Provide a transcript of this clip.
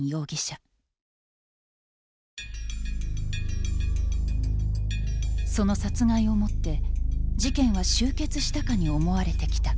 その殺害をもって事件は終結したかに思われてきた。